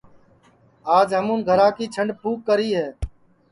آج ہمون گھرا کی جھڈؔ پُھوک کری ہے